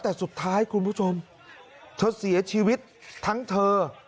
แต่สุดท้ายคุณผู้ชมเธอเสียชีวิตทั้งเธอ